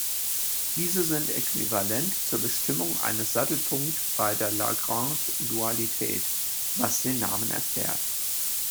Diese sind Äquivalent zur Bestimmung eines Sattelpunkt bei der Lagrange-Dualität, was den Namen erklärt.